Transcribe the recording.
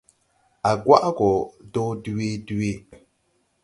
A gwaʼ go dɔɔ dwee dwee.